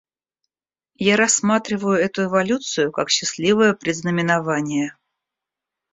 Я рассматриваю эту эволюцию как счастливое предзнаменование.